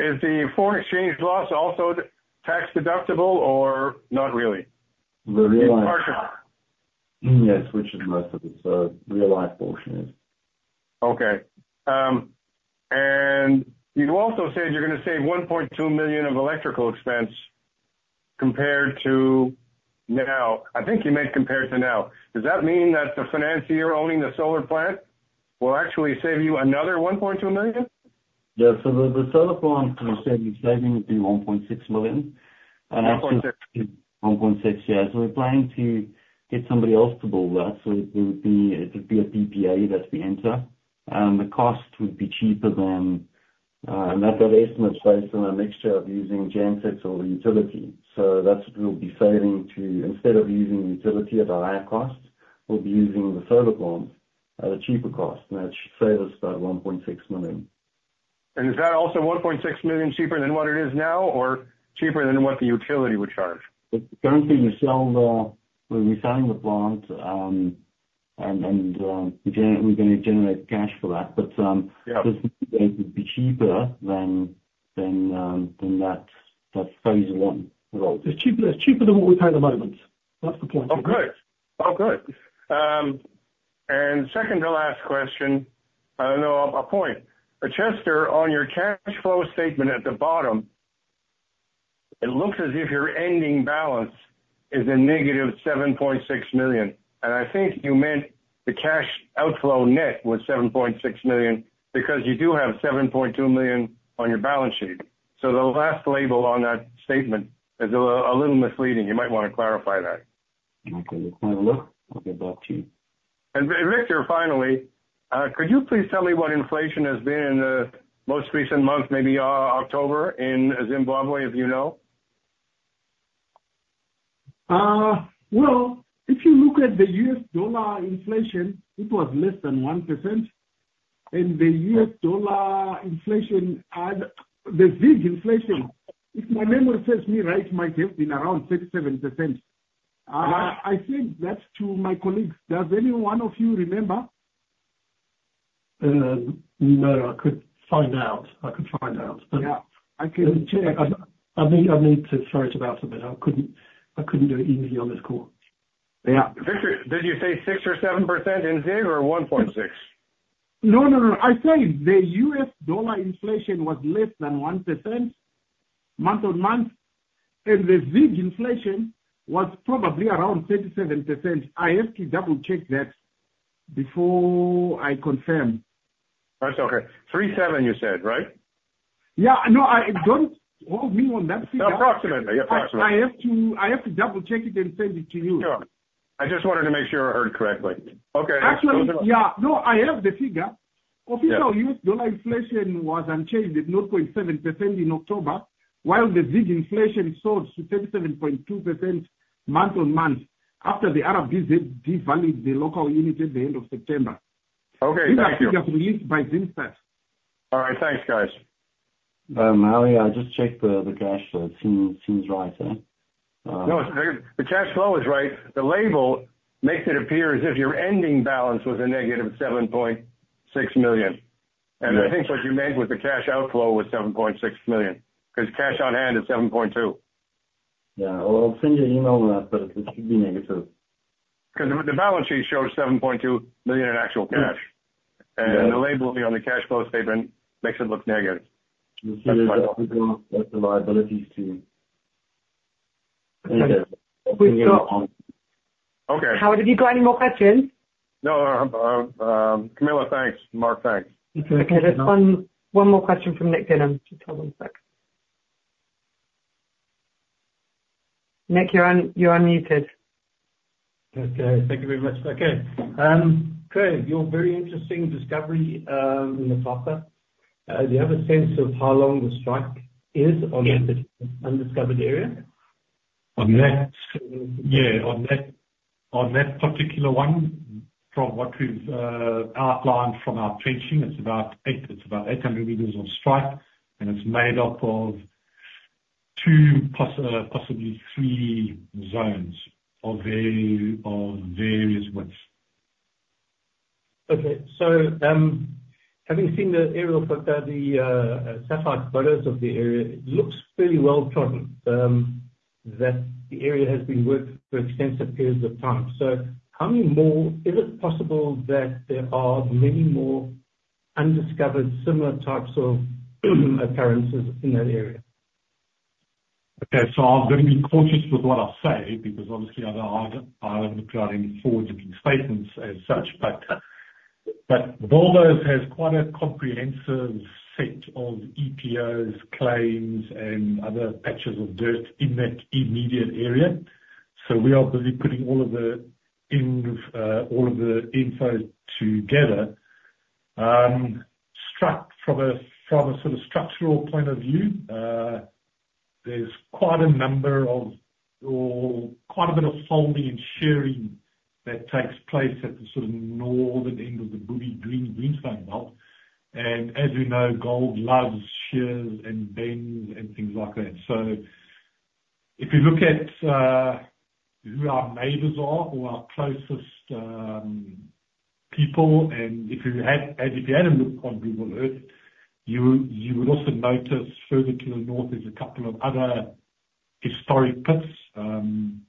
Is the foreign exchange loss also tax deductible or not really? The real life which is most of it. So real life portion is. Okay. You also said you're going to save $1.2 million of electrical expense compared to now. I think you meant compared to now. Does that mean that the financier owning the solar plant will actually save you another $1.2 million? Yeah. The solar plant will save me $1.6 million. We're planning to get somebody else to build that. It would be a PPA that we enter. The cost would be cheaper than, and that's an estimate based on a mixture of using gensets or utility. That's what we'll be saving to instead of using utility at a higher cost. We'll be using the solar plant at a cheaper cost. That should save us about $1.6 million. Is that also $1.6 million cheaper than what it is now or cheaper than what the utility would charge? Currently, we're selling the plant and we're going to generate cash for that. But it would be cheaper than that phase one result. It's cheaper than what we've had at the moment. That's the point. Second to last question. I don't know, a point. But Chester, on your cash flow statement at the bottom, it looks as if your ending balance is a -$7.6 million. And I think you meant the cash outflow net was $7.6 million because you do have $7.2 million on your balance sheet. So the last label on that statement is a little misleading. You might want to clarify that. Okay. Let's have a look. I'll get back to you. Victor, finally, could you please tell me what inflation has been in the most recent month, maybe October, in Zimbabwe, if you know? If you look at the U.S. dollar inflation, it was less than 1%. And the U.S. dollar inflation, the ZiG inflation, if my memory serves me right, might have been around 37%. I sent that to my colleagues. Does any one of you remember? I could find out. Yeah. I can check. I need to throw it about a bit. I couldn't do it easily on this call. Yeah. Did you say 6% or 7% in ZiG or 1.6? No. I said the US dollar inflation was less than 1% month on month, and the ZIG inflation was probably around 37%. I have to double-check that before I confirm. That's okay. 3.7 you said, right? Yeah. No, hold me on that figure. Approximately. I have to double-check it and send it to you. Sure. I just wanted to make sure I heard correctly. Okay. Actually, I have the figure. Official U.S. dollar inflation was unchanged at 0.7% in October, while the ZiG inflation soared to 37.2% month on month after the RBZ devalued the local unit at the end of September. Okay. Thank you. This figure is released by ZIMSTAT. All right. Thanks, guys. Mark, I'll just check the cash flow. It seems right there. No, the cash flow is right. The label makes it appear as if your ending balance was a negative $7.6 million. And I think what you meant with the cash outflow was $7.6 million because cash on hand is $7.2. Yeah, well, I'll send you an email on that, but it should be negative. Because the balance sheet shows $7.2 million in actual cash, and the label on the cash flow statement makes it look negative. That's the liabilities too. Okay. Howard, have you got any more questions? No, Camilla, thanks. Mark, thanks. Okay. I just have one more question from Nick Denham. Just hold on a sec. Nick, you're unmuted. Okay. Thank you very much. Okay. Craig, your very interesting discovery in Motapa. Do you have a sense of how long the strike is on the undiscovered area? On that? On that particular one, from what we've outlined from our trenching, it's about 800 meters of strike, and it's made up of two, possibly three zones of various widths. Okay. So having seen the aerial photos, the satellite photos of the area, it looks fairly apparent that the area has been worked for extensive periods of time. So tell me more. Is it possible that there are many more undiscovered similar types of appearances in that area? Okay. I'm going to be cautious with what I say because obviously, I don't look at any forward-looking statements as such. Bilboes has quite a comprehensive set of EPOs, claims, and other patches of dirt in that immediate area. We are busy putting all of the info together. Structurally, from a sort of structural point of view, there's quite a bit of folding and shearing that takes place at the sort of northern end of the Bubi Greenstone Belt. As we know, gold loves shears and bends and things like that. If you look at who our neighbors are or our closest people, and if you had a look on Google Earth, you would also notice further to the north there's a couple of other historic pits,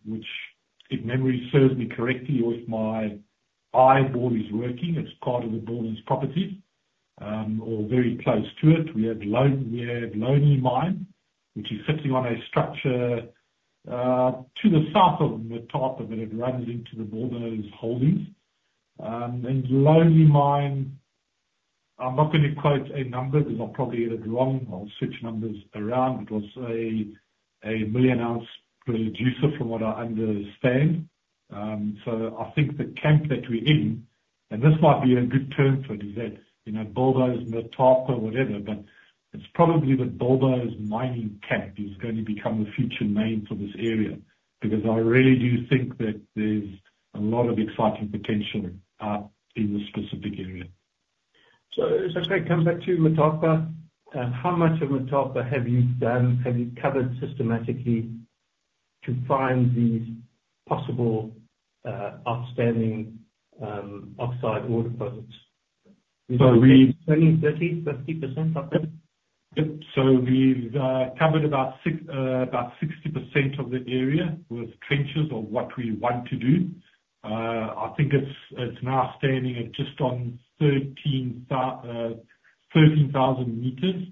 which if memory serves me correctly or if my eyeball is working, it's part of the Bilboes property or very close to it. We have Lonely Mine, which is sitting on a structure to the south of Motapa, but it runs into the Bilboes holdings. Lonely Mine, I'm not going to quote a number because I'll probably get it wrong. I'll such numbers around. It was a 1 million-ounce producer from what I understand. I think the camp that we're in, and this might be a good term for it, is that Bilboes Motapa, whatever. It's probably the Bilboes mining camp is going to become the future name for this area because I really do think that there's a lot of exciting potential in this specific area. So if I say, come back to Motapa, how much of Motapa have you done? Have you covered systematically to find these possible outstanding oxide ore deposits? So we do 20%, 30%, 50% of it? Yep. So we've covered about 60% of the area with trenches or what we want to do. I think it's now standing at just on 13,000 meters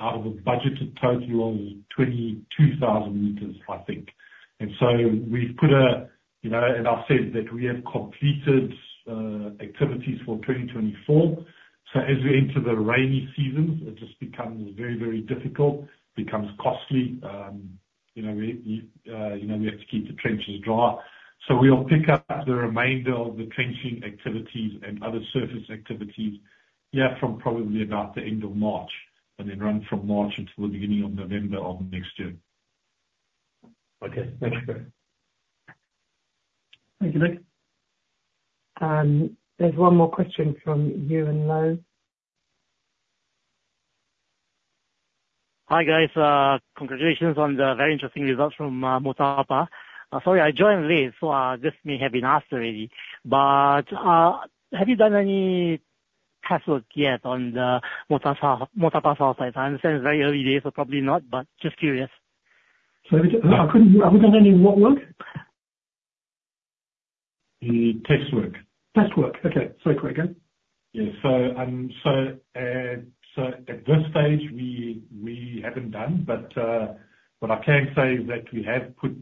out of a budgeted total of 22,000 meters, I think. And so we've put a—and I've said that we have completed activities for 2024. So as we enter the rainy seasons, it just becomes very, very difficult, becomes costly. We have to keep the trenches dry. So we'll pick up the remainder of the trenching activities and other surface activities, yeah, from probably about the end of March and then run from March until the beginning of November of next year. Okay. Thanks, Craig. Thank you, Nick. There's one more question from [inaudible] Hi, guys. Congratulations on the very interesting results from Motapa. Sorry, I joined late, so this may have been asked already. But have you done any test work yet on the Motapa South Side? I understand it's very early days, so probably not, but just curious. Sorry. I haven't done any what work? Test work. Test work. Okay. So quick, okay? Yeah. At this stage, we haven't done. But what I can say is that we have put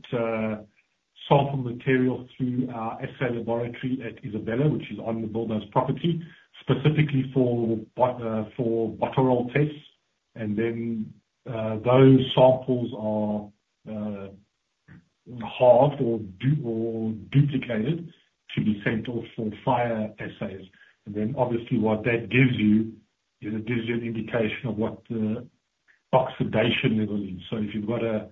sample material through our SGS laboratory at Isabella, which is on the Bilboes property, specifically for bottle roll tests. And then those samples are halved or duplicated to be sent off for fire assays. And then obviously, what that gives you is it gives you an indication of what the oxidation level is. So if you've got a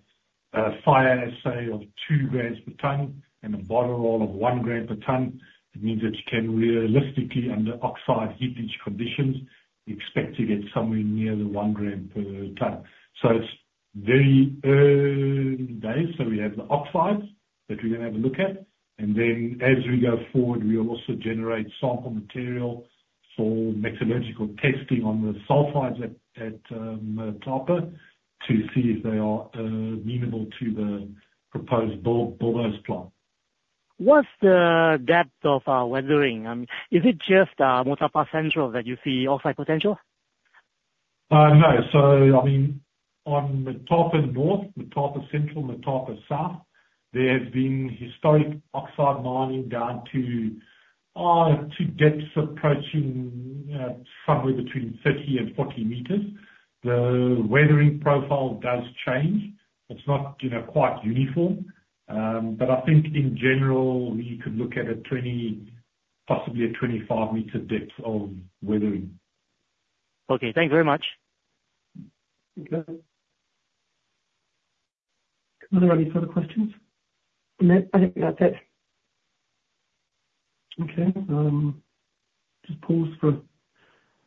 fire assay of 2 grams per ton and a bottle roll of 1 gram per ton, it means that you can realistically, under oxide heap conditions, expect to get somewhere near the 1 gram per ton. So it's very early days. So we have the oxides that we're going to have a look at. And then as we go forward, we will also generate sample material for metallurgical testing on the sulfides at Motapa to see if they are amenable to the proposed Bilboes plant. What's the depth of weathering? I mean, is it just Motapa Central that you see oxide potential? On Motapa North, Motapa Central, Motapa South, there's been historic oxide mining down to depths approaching somewhere between 30-40 meters. The weathering profile does change. It's not quite uniform. But I think in general, we could look at a 20, possibly a 25-meter depth of weathering. Okay. Thank you very much. Okay. Are there any further questions? No, I think that's it. Okay. Just pause for a moment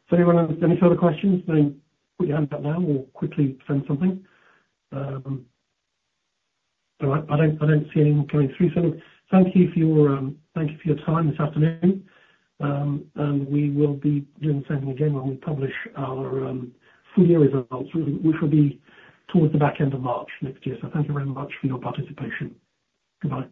so anyone has any further questions, then put your hand up now or quickly send something. But I don't see anyone coming through, so thank you for your time this afternoon, and we will be doing the same thing again when we publish our full year results, which will be towards the back end of March next year, so thank you very much for your participation. Goodbye.